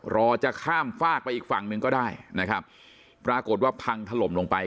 รอจะข้ามฝากไปอีกฝั่งหนึ่งก็ได้นะครับปรากฏว่าพังถล่มลงไป